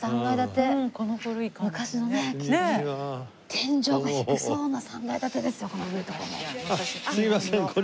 天井が低そうな３階建てですよ。あっすいません。